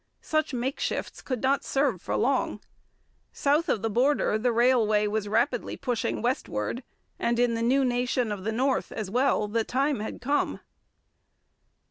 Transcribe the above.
Such makeshifts could not serve for long. South of the border the railway was rapidly pushing westward, and in the new nation of the north, as well, its time had come.